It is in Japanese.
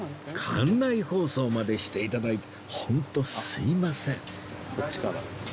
館内放送までしていただいて本当すみません